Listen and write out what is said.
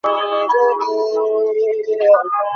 আমি সবাইকে দেখিয়ে তাদের মাথার ওপর দিয়ে আমার হাতটা ঘুরিয়ে আনলাম।